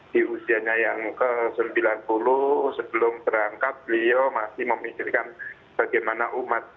di usianya yang ke sembilan puluh sebelum berangkat beliau masih memikirkan bagaimana umat